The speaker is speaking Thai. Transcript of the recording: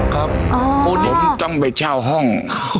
เพราะผมต้องไปเช่าห้อง